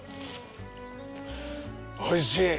おいしい！